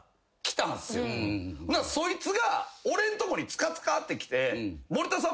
そいつが俺んとこにツカツカって来て。